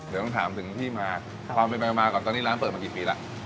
เดี๋ยวต้องถามถึงที่มาความเป็นไปมาก่อนตอนนี้ร้านเปิดมากี่ปีแล้ว